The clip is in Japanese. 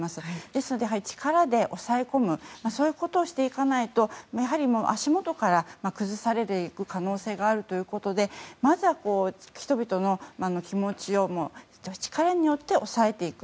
ですので力で抑え込むそういうことをしていかないとやはり足元から崩されていく可能性があるということでまずは人々の気持ちを力によって抑えていく。